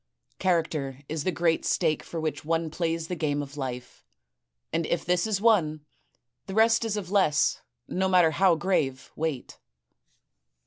Character is the great stake for which one plays the game of life; and if this is won, the rest is of less, no matter how grave, weight.